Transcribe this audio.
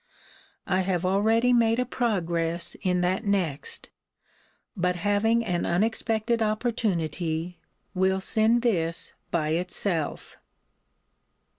I have already made a progress in that next; but, having an unexpected opportunity, will send this by itself.